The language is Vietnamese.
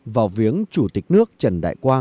vào viếng và chia buồn cùng ra quyến